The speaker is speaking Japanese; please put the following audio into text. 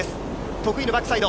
得意のバックサイド。